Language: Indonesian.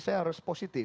saya harus positif